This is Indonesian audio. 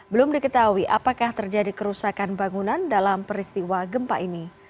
belum diketahui apakah terjadi kerusakan bangunan dalam peristiwa gempa ini